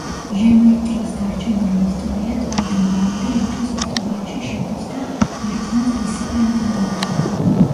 ჟემაიტიის დარჩენილი ისტორია თავიდან ბოლომდე ლიტვის ისტორიაში შედის და ერთიან დისციპლინად მოიაზრება.